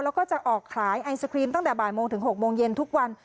แล้วก็จะออกขายไอศครีมตั้งแต่บ่ายโมงถึง๖โมงเย็นทุกวัน